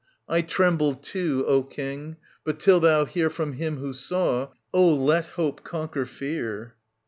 I tremble too, O King ; but till thou hear From him who saw, oh, let hope conquer fear.